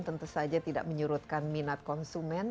tentu saja tidak menyurutkan minat konsumen